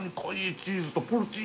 チーズとポルチーニの。